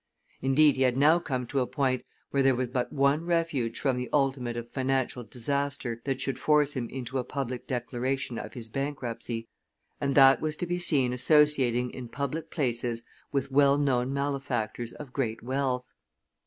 Indeed, he had now come to a point where there was but one refuge from the ultimate of financial disaster that should force him into a public declaration of his bankruptcy, and that was to be seen associating in public places with well known malefactors of great wealth.